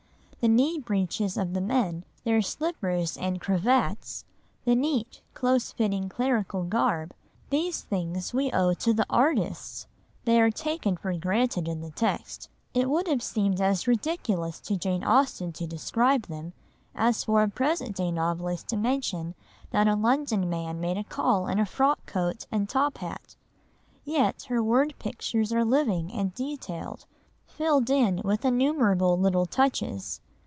The knee breeches of the men, their slippers and cravats, the neat, close fitting clerical garb, these things we owe to the artists,—they are taken for granted in the text. It would have seemed as ridiculous to Jane Austen to describe them, as for a present day novelist to mention that a London man made a call in a frock coat and top hat. Yet her word pictures are living and detailed, filled in with innumerable little touches.